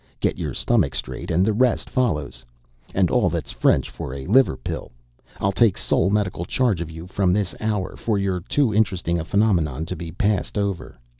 Get your Stomach straight and the rest follows. And all that's French for a liver pill. I'll take sole medical charge of you from this hour! for you're too interesting a phenomenon to be passed over."